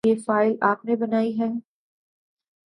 یہ فائل آپ نے بنائی ہے ؟